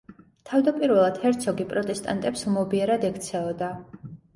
თავდაპირველად ჰერცოგი პროტესტანტებს ლმობიერად ექცეოდა.